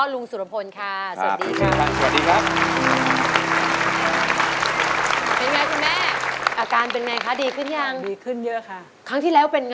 มื้นหัว